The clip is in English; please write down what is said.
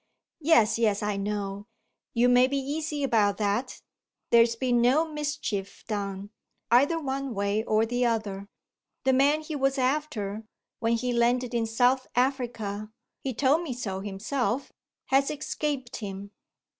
"Yes, yes; I know. You may be easy about that. There's been no mischief done, either one way or the other. The man he was after, when he landed in South Africa (he told me so himself) has escaped him."